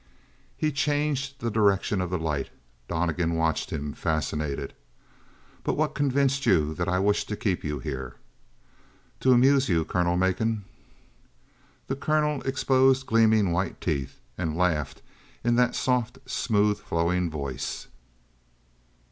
He changed the direction of the light; Donnegan watched him, fascinated. "But what convinced you that I wished to keep you here?" "To amuse you, Colonel Macon." The colonel exposed gleaming white teeth and laughed in that soft, smooth flowing voice.